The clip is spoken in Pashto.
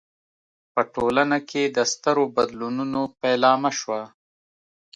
په ټولنه کې د سترو بدلونونو پیلامه شوه.